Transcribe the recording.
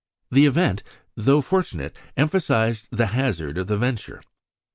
The event, though fortunate, emphasised the hazard of the venture.